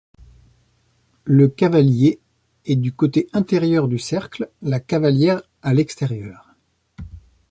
Le cavalier est du côté intérieur du cercle, la cavalière à l'extérieur.